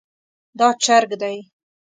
دا چرګ دی